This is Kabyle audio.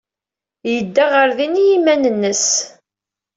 Yedda ɣer din i yiman-nnes.